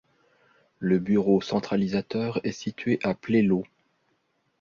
Le bureau centralisateur est situé à Plélo.